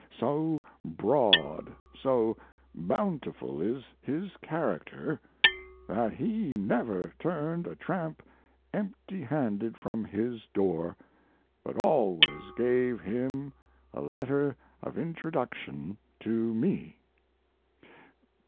So broad, so bountiful is his character that he never turned a tramp empty handed from his door, but always gave him a letter of introduction to me.